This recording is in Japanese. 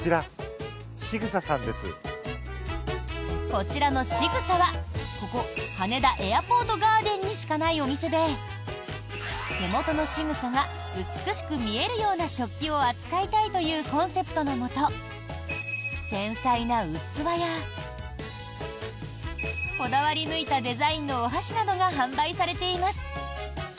こちらの「ｓｉｇｕｓａ」はここ羽田エアポートガーデンにしかないお店で手元のしぐさが美しく見えるような食器を扱いたいというコンセプトのもと繊細な器やこだわり抜いたデザインのお箸などが販売されています。